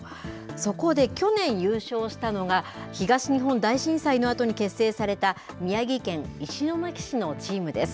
そこで去年優勝したのが、東日本大震災のあとに結成された、宮城県石巻市のチームです。